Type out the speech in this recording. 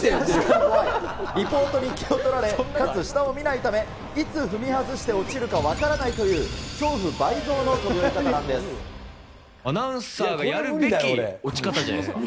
リポートに気を取られ、かつ下を見ないため、いつ踏み外して落ちるか分からないという、アナウンサーがやるべき落ち方じゃないですか。